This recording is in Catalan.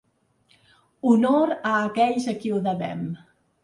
Honor a aquells a qui ho devem!